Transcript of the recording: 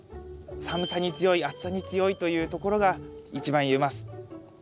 寒さに強い暑さに強いというところが一番言えます。